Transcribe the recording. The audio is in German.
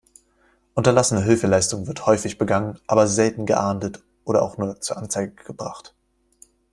Unterlassene Hilfeleistung wird häufig begangen, aber selten geahndet oder auch nur zur Anzeige gebracht.